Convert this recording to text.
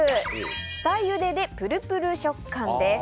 下ゆででプルプル食感です。